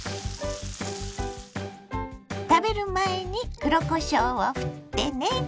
食べる前に黒こしょうをふってね。